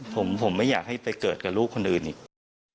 ผมไม่อยากให้ไปเกิดกับลูกคนอื่นอีก